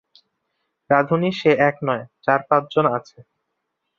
রাঁধুনী সে এক নয়, চার-পাঁচজন আছে।